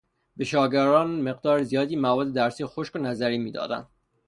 به شاگردان مقدار زیادی مواد درسی خشک و نظری میدادند.